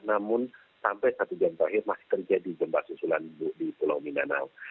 namun sampai satu jam terakhir masih terjadi gempa susulan di pulau minao